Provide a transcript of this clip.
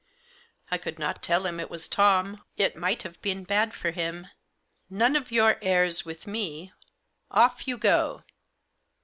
I could not tell him it was Tom ; it might have been bad for him. " None of your airs with me ; off you go.